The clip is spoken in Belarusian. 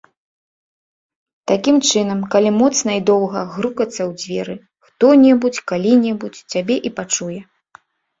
Такім чынам, калі моцна і доўга грукацца ў дзверы, хто-небудзь калі-небудзь цябе і пачуе.